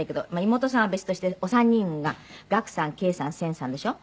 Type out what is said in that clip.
妹さんは別としてお三人が學さん圭さん亘さんでしょ？